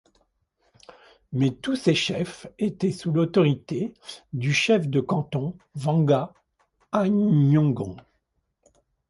Mais tous ces chefs étaient sous l’autorité du Chef de Canton Wanga Agnionghön.